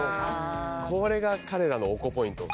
これが彼らのおこポイント。